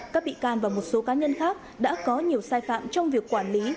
các bị can và một số cá nhân khác đã có nhiều sai phạm trong việc quản lý